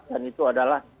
dan itu adalah